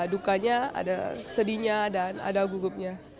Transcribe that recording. dukanya ada sedihnya dan ada gugupnya